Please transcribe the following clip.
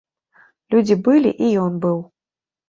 Людзі былі, і ён быў.